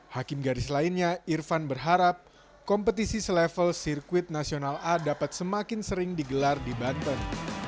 hakim garis lainnya irfan berharap kompetisi selevel sirkuit nasional a dapat semakin sering digelar di banten